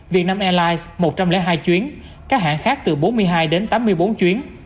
việt nam airlines một trăm linh hai chuyến các hãng khác từ bốn mươi hai đến tám mươi bốn chuyến